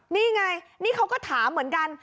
นี่ไงนี่เขาก็ถามเหมือนกัน